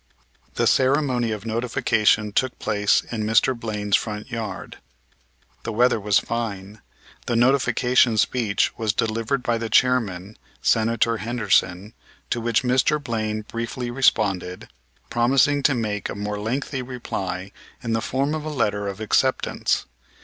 The ceremony of notification took place in Mr. Blaine's front yard. The weather was fine. The notification speech was delivered by the chairman, Senator Henderson, to which Mr. Blaine briefly responded, promising to make a more lengthy reply in the form of a letter of acceptance.